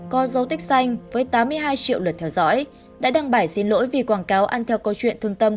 có dấu tích xanh với tám mươi hai triệu lượt theo dõi đã đăng bài xin lỗi vì quảng cáo ăn theo câu chuyện thương tâm